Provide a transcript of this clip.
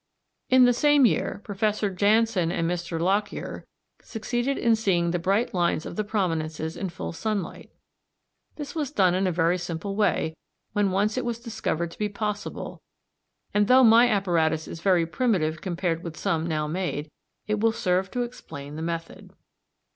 In the same year Professor Jannsen and Mr. Lockyer succeeded in seeing the bright lines of the prominences in full sunlight. This was done in a very simple way, when once it was discovered to be possible, and though my apparatus (Fig. 49) is very primitive compared with some now made, it will serve to explain the method.